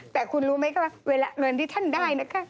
แต่คุณรู้ไหมคะว่าเวลาเงินที่ท่านได้นะคะ